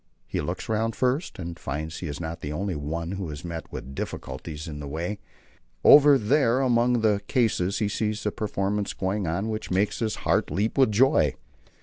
He looks round first and finds he is not the only one who has met with difficulties in the way. Over there among the cases he sees a performance going on which makes his heart leap with joy.